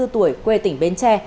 ba mươi bốn tuổi quê tỉnh bến tre